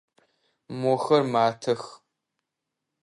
Мохэр матэх.